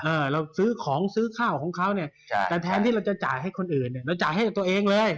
เออเราซื้อของซื้อข้าวของเขาแต่แทนที่เราจะจ่ายให้คนอื่นเราจ่ายให้ตัวเองเลย